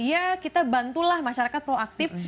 ya kita bantulah masyarakat proaktif